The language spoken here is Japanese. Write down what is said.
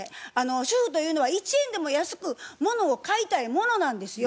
主婦というのは１円でも安くものを買いたいものなんですよ。